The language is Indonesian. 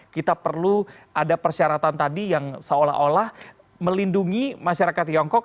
kita perlu ada persyaratan tadi yang seolah olah melindungi masyarakat tiongkok